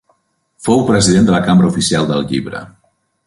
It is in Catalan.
Fou president de la Cambra Oficial del Llibre.